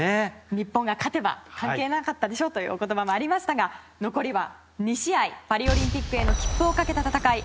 日本が勝てば関係なかったでしょというお言葉もありましたが残りは２試合パリオリンピックへの切符をかけた戦い。